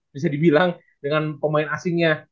bisa dibilang dengan pemain asingnya